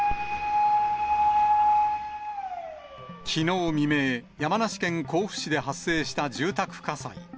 きのう未明、山梨県甲府市で発生した住宅火災。